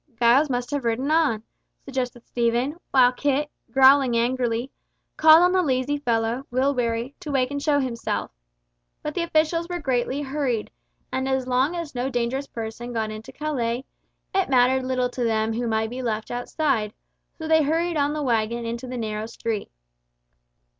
"Giles must have ridden on," suggested Stephen, while Kit, growling angrily, called on the lazy fellow, Will Wherry, to wake and show himself. But the officials were greatly hurried, and as long as no dangerous person got into Calais, it mattered little to them who might be left outside, so they hurried on the waggon into the narrow street.